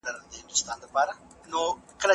یا میوند یا پاني پټ دی یا خیبر دی